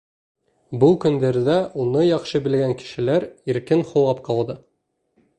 Был көндәрҙә уны яҡшы белгән кешеләр иркен һулап ҡалды.